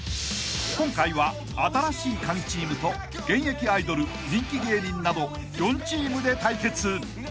［今回は新しいカギチームと現役アイドル人気芸人など４チームで対決。